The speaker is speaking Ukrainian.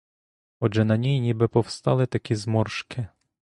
Отже на ній ніби повстали такі зморшки.